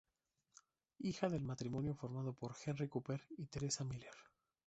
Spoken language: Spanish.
Hija del matrimonio formado por Henry Cooper y Teresa Miller.